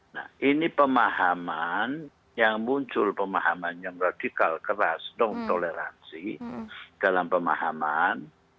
nah ini pemahaman yang muncul pemahaman yang radikal keras non toleransi dalam pemahaman